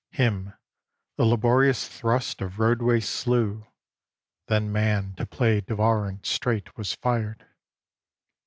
Him a laborious thrust of roadway slew. Then man to play devorant straight was fired.